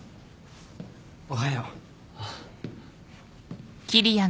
おはよう。